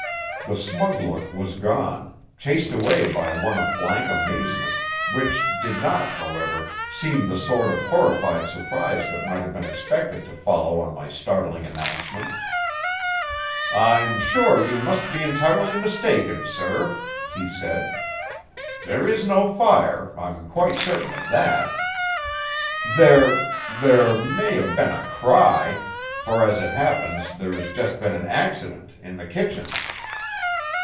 The smug look was gone, chased away by one of blank amazement, which did not, however, seem the sort of horrified surprise that might have been expected to follow on my startling announcement. "I'm sure you must be entirely mistaken, sir," he said. "There is no fire, I'm quite certain of that. There there may have been a cry, for as it happens there's just been an accident in the kitchen."